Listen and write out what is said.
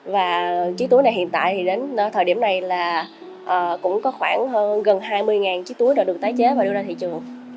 và chiếc túi này hiện tại thì đến thời điểm này là cũng có khoảng hơn gần hai mươi chiếc túi đã được tái chế và đưa ra thị trường